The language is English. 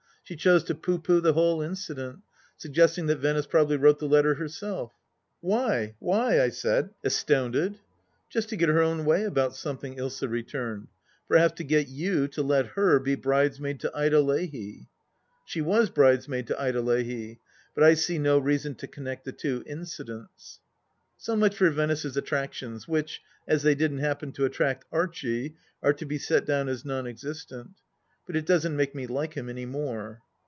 She chose to pooh pooh the whole incident, suggesting that Venice probably wrote the letter herself !" Why, why ?" I said, astounded, " Just to get her own way about something," Ilsa re turned. " Perhaps to get you to let her be bridesmaid to Ida Leahy ?" She was bridesmaid to Ida Leahy, but I see no reason to connect the two incidents. So much for Venice's attractions, which, as they didn't happen to attract Archie, are to be set down as non existent. But it doesn't make me like him any more.